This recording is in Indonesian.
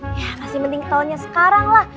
ya masih penting ketahunya sekarang lah